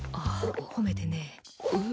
褒めてねえ。